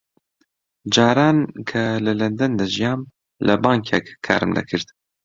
جاران کە لە لەندەن دەژیام لە بانکێک کارم دەکرد.